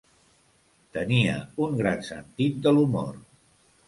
Tenia un gran sentit de l'humor.